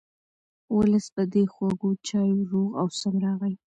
ولس په دې خوږو چایو روغ او سم راغی.